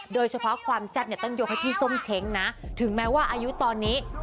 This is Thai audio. โดยเฉพาะความแซ่บเนี่ยต้องยกให้พี่ส้มเช้งนะถึงแม้ว่าอายุตอนนี้